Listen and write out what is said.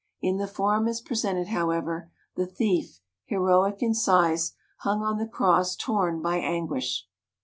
In the form as presented, however, the thief, he roic in size, hung on the cross torn by an guish.